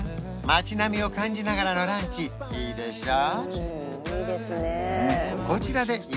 街並みを感じながらのランチいいでしょ？